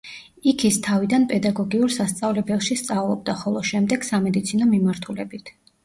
იქ ის თავიდან პედაგოგიურ სასწავლებელში სწავლობდა, ხოლო შემდეგ სამედიცინო მიმართულებით.